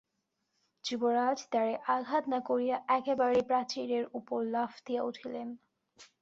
যুবরাজ দ্বারে আঘাত না করিয়া একেবারে প্রাচীরের উপর লাফ দিয়া উঠিলেন।